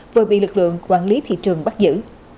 vừa bị lực lượng quản lý thị trường bắt giữ